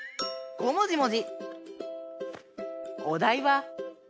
ごもじもじ！